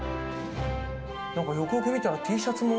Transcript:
なんかよくよく見たら、Ｔシャツも。